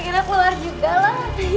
akhirnya keluar juga lah